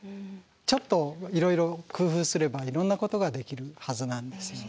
ちょっといろいろ工夫すればいろんなことができるはずなんですよね。